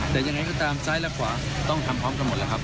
แต่ยังไงก็ตามซ้ายและขวาต้องทำพร้อมกันหมดแล้วครับ